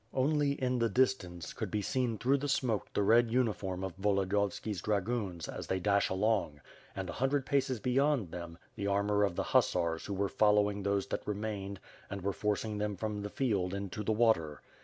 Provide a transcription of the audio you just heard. Only, in the distance, could be seen through the smoke the red uniform of Volodiyovski's dragoons, as thev dash along; and, a hundred paces beyond them, the armor of the hussars who were following those that remained and were forcing them from the field into the water.